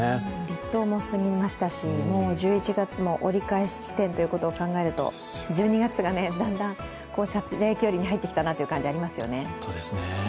立冬も過ぎましたしもう１１月も折り返し地点ということを考えると１２月がだんだん射程距離に入ってきたなという感じありますよね。